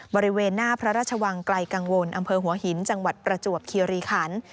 บริเวณหน้าพระราชวังไกลกังวลอำเภอหัวหินจังหวัดประจวบคีรีขัน